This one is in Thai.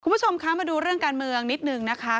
คุณผู้ชมคะมาดูเรื่องการเมืองนิดนึงนะคะ